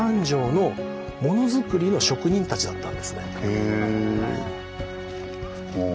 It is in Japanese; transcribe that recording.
へえ。